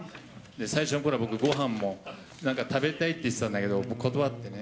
最初のころは、ごはんも、なんか食べたいって言ってたんだけど、僕、断ってね。